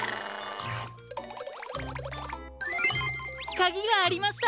かぎがありました！